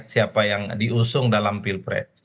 siapa yang diusung dalam pilpres